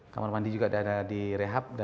kamar mandi juga ada di rehab